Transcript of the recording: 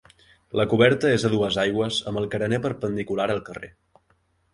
La coberta és a dues aigües amb el carener perpendicular al carrer.